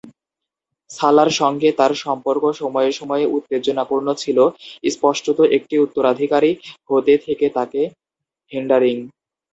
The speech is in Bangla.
সালার সঙ্গে তার সম্পর্ক সময়ে সময়ে উত্তেজনাপূর্ণ ছিল, স্পষ্টত একটি উত্তরাধিকারী হতে থেকে তাকে হিন্ডারিং।